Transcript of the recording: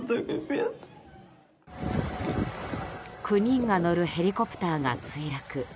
９人が乗るヘリコプターが墜落。